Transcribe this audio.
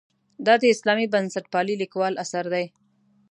دا د اسلامي بنسټپالنې لیکوال اثر دی.